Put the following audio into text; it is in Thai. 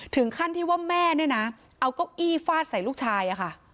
ถึงขั้นที่ว่าแม่เอาก๊อกอี้ฟาดใส่ลูกชาย